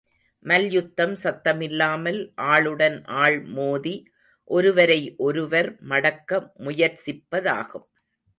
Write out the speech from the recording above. மல்யுத்தம் சத்தமில்லாமல் ஆளுடன் ஆள் மோதி, ஒருவரை ஒருவர் மடக்க முயற்சிப்பதாகும்.